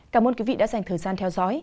cảm ơn quý vị đã dành thời gian theo dõi